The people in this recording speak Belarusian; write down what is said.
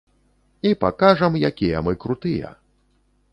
І пакажам, якія мы крутыя.